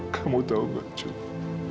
kamu tahu nggak juli